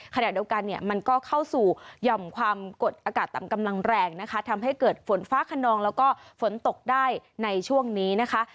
ขณะเดียวกันเนี่ยมันก็เข้าสู่หย่อมความกดอากาศต่ำกำลังแรงนะคะทำให้เกิดฝนฟ้าขนองแล้วก็ฝนตกได้ในช่วงนี้นะคะ